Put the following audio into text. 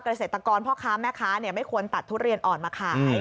เกษตรกรพ่อค้าแม่ค้าไม่ควรตัดทุเรียนอ่อนมาขาย